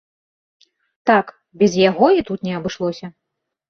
Так, без яго і тут не абышлося.